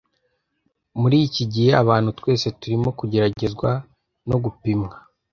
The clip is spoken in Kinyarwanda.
Muri iki gihe abantu twese turimo kugeragezwa no gupimwa